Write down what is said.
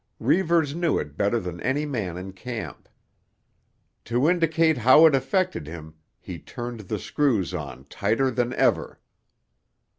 Reivers knew it better than any man in camp. To indicate how it affected him he turned the screws on tighter than ever.